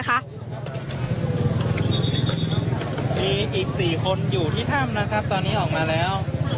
มีอีก๔คนอยู่ที่ถ้ำนะครับตอนนี้ออกมาแล้ว